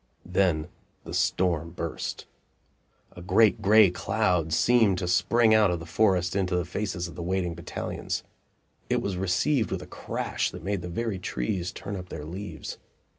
Then the storm burst. A great gray cloud seemed to spring out of the forest into the faces of the waiting battalions. It was received with a crash that made the very trees turn up their leaves.